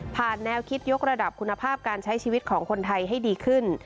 แนวคิดยกระดับคุณภาพการใช้ชีวิตของคนไทยให้ดีขึ้น